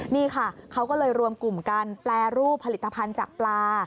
นี่ค่ะเขาก็เลยรวมกลุ่มกันแปรรูปผลิตภัณฑ์จากปลา